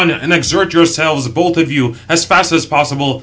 and exert yourselves, both of you, as fast as possible.